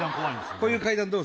こういう階段どう？